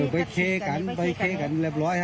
ไปเคกันไปเคกันเรียบร้อยกันเลย